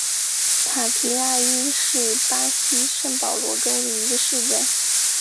塔皮拉伊是巴西圣保罗州的一个市镇。